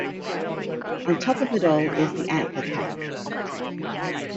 On top of it all is the anther cap.